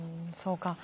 そうか。